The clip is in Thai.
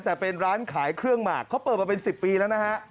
แต่เป็นร้านขายเครื่องหมากเขาเปิดมาเป็น๑๐ปีแล้วนะฮะ